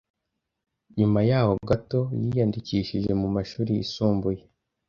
Nyuma yaho gato, yiyandikishije mumashuri yisumbueye